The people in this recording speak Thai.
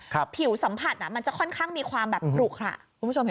ผิวสัมผัสอ่ะมันจะค่อนข้างมีความแบบขลุขระคุณผู้ชมเห็น